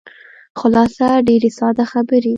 خلاصه ډېرې ساده خبرې.